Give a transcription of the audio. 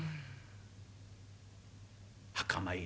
墓参り？